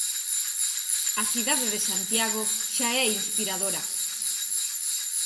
A cidade de Santiago xa é inspiradora.